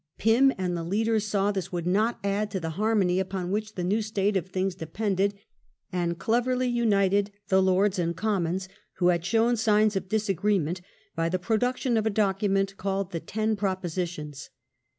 Pym June, 164X. and the leaders saw this would not add to the harmony upon which the new state of things depended, and cleverly united the Lords and Commons, who had shown signs of disagreement, by the production of a docu ment called the "Ten Propositions".